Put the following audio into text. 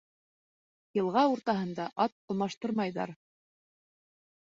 Йылға уртаһында ат алмаштырмайҙар.